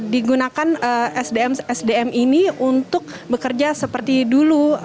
digunakan sdm sdm ini untuk bekerja seperti dulu